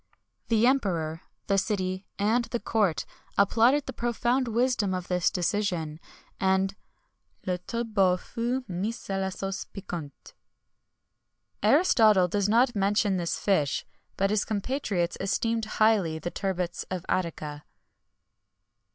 [XXI 98] The emperor, the city, and the court applauded the profound wisdom of this decision; and "le turbot fut mis à la sauce piquante."[XXI 99] Aristotle does not mention this fish; but his compatriots esteemed highly the turbots of Attica.